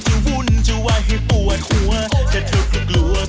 เตียต้องเป็นของแฟนคุณเดียว